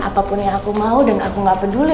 apapun yang aku mau dan aku gak peduli